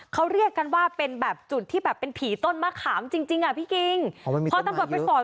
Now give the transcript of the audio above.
เขาเรียกกันว่าเป็นแบบจุดที่แบบเป็นผีต้นมะขามจริงจริงอ่ะพี่กิ้งเพราะมันมีต้นมะเยอะ